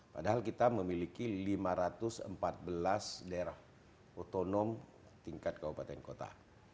padahal kita memiliki lima ratus empat belas daerah otonom tingkat kabupaten kota